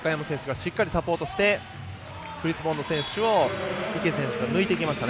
しっかりサポートしてクリス・ボンド選手を池選手が抜いていきました。